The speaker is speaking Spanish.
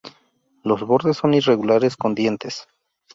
Los bordes son irregulares con dientes.